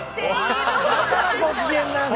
だからご機嫌なんだ！